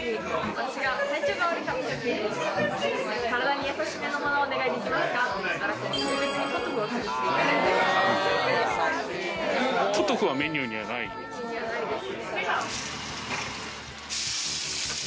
私が体調が悪かった時に体にやさしめのものをお願いできますかって言ったら、特別にポトフを作ってくださってメニューにはないです。